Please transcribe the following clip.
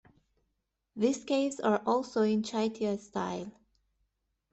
This caves are also in Chaitya style.